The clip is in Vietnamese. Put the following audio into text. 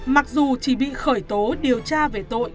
mặc dù chỉ bị khởi tố điều tra về tội